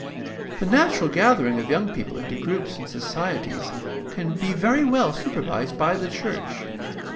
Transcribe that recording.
The natural gathering of young people into groups and societies can be very well supervised by the church.